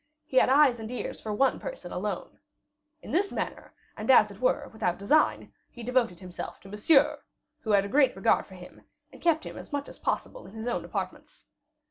He had eyes and ears for one person alone. In this manner, and, as it were, without design, he devoted himself to Monsieur, who had a great regard for him, and kept him as much as possible in his own apartments.